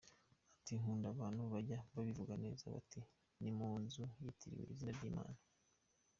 Ati “Nkunda abantu bajya babivuga neza bati ni mu nzu yitiriwe izina ry’Imana.